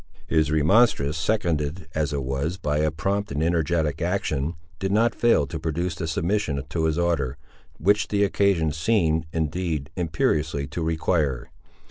His remonstrance, seconded, as it was, by a prompt and energetic action, did not fail to produce the submission to his order, which the occasion seemed, indeed, imperiously to require.